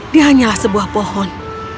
dia hanyalah sebuah pohon